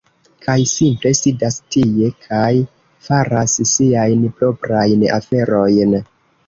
Kaj simple sidas tie kaj faras siajn proprajn aferojn...